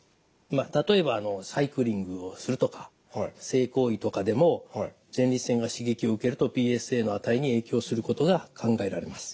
例えばサイクリングをするとか性行為とかでも前立腺が刺激を受けるとＰＳＡの値に影響することが考えられます。